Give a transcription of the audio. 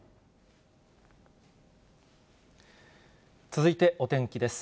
続いてお天気です。